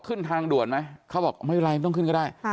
ขึ้นทางด่วนไหมเขาบอกไม่เป็นไรไม่ต้องขึ้นก็ได้